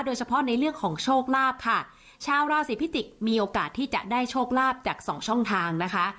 โดยเฉพาะในเรื่องของโชคลาภค่ะชาวราศีพิจิกษ์มีโอกาสที่จะได้โชคลาภจากสองช่องทางนะคะ